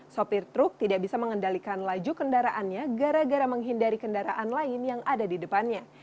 sopir truk tidak bisa mengendalikan laju kendaraannya gara gara menghindari kendaraan lain yang ada di depannya